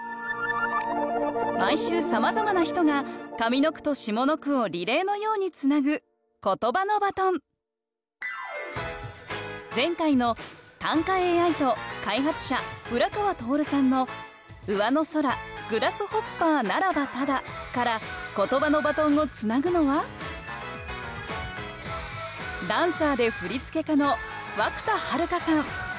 毎週さまざまな人が上の句と下の句をリレーのようにつなぐ前回の短歌ＡＩと開発者浦川通さんの「上の空グラスホッパーならばただ」からことばのバトンをつなぐのはダンサーで振付家の涌田悠さん